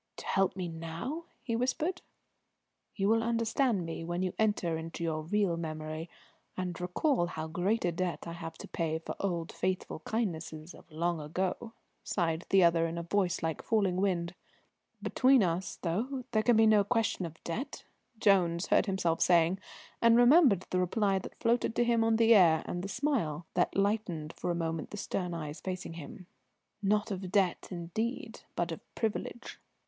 "To help me now?" he whispered. "You will understand me when you enter into your real memory and recall how great a debt I have to pay for old faithful kindnesses of long ago," sighed the other in a voice like falling wind. "Between us, though, there can be no question of debt," Jones heard himself saying, and remembered the reply that floated to him on the air and the smile that lightened for a moment the stern eyes facing him. "Not of debt, indeed, but of privilege."